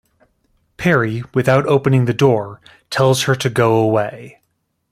Parry, without opening the door, tells her to go away.